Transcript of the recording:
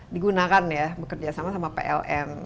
digunakan ya bekerja sama plm